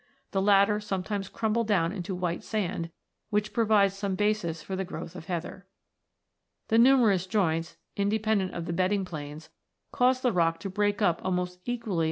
The latter sometimes crumble down into white sand, which provides some basis for the growth of heather. Ill THE SANDSTONES 77 The numerous joints, independent of the bedding planes, cause the rock to break up almost equally on Fig.